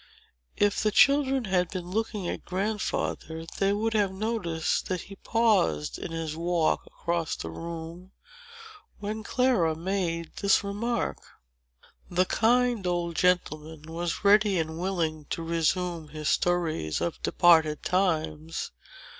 If the children had been looking at Grandfather, they would have noticed that he paused in his walk across the room, when Clara made this remark. The kind old gentleman was ready and willing to resume his stories of departed times.